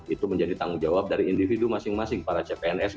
itu menjadi tanggung jawab dari individu masing masing para cpns